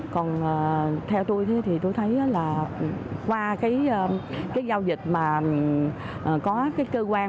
còn theo tôi thì tôi thấy là qua cái giao dịch mà có cái cơ quan